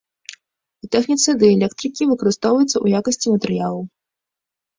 У тэхніцы дыэлектрыкі выкарыстоўваюцца ў якасці матэрыялаў.